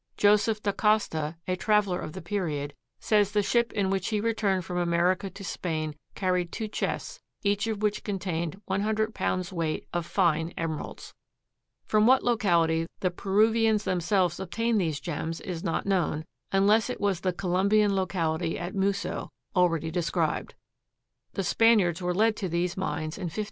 Joseph D'Acosta, a traveler of the period, says the ship in which he returned from America to Spain carried two chests, each of which contained one hundred pounds' weight of fine emeralds. From what locality the Peruvians themselves obtained these gems is not known, unless it was the Colombian locality at Muso, already described. The Spaniards were led to these mines in 1558.